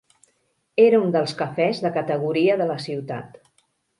Era un dels cafès de categoria de la ciutat.